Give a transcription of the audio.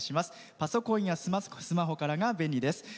パソコンやスマホからが便利です。